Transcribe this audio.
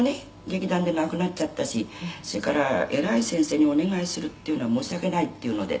劇団でなくなっちゃったしそれから偉い先生にお願いするっていうのは申し訳ないっていうので」